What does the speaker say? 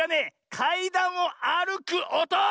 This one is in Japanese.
かいだんをあるくおと！